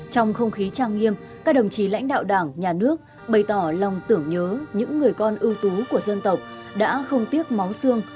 trong không khí trang nghiêm các đồng chí lãnh đạo đảng nhà nước bày tỏ lòng tưởng nhớ những người con ưu tú của dân tộc đã không tiếc máu xương